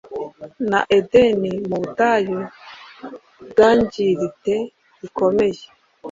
Na Edeni mubutayu bwangirite bikomeye